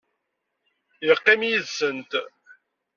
Yeqqim yid-sent.